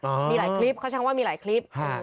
มีหลายคลิปเขาใช้คำว่ามีหลายคลิป